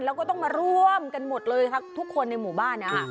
แล้วก็ต้องมาร่วมกันหมดเลยค่ะทุกคนในหมู่บ้านนะคะ